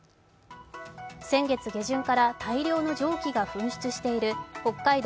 先月下旬から大量の蒸気が噴出している北海道